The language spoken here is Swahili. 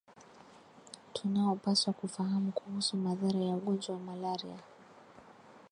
tunaopaswa kufahamu kuhusu madhara ya ugonjwa wa malaria